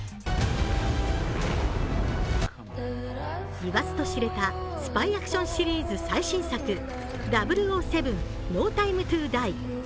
言わずと知れたスパイアクションシリーズ最新作「００７／ノー・タイム・トゥ・ダイ」